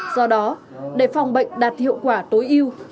do đó để phòng bệnh đạt hiệu quả tối yêu